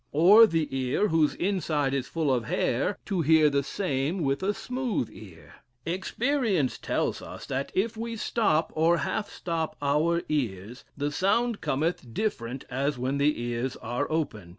Or the ear, whose inside is full of hair, to hear the same with a smooth ear? Experience tells us that if we stop, or half stop, our ears, the sound cometh different as when the ears are open.